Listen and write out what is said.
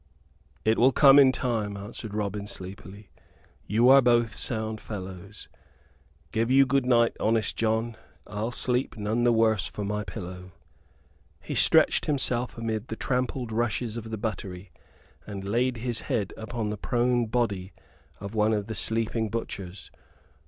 "It will come in time," answered Robin, sleepily. "You are both sound fellows. Give you good night, honest John. I'll sleep none the worse for my pillow." He stretched himself amid the trampled rushes of the buttery, and laid his head upon the prone body of one of the sleeping butchers.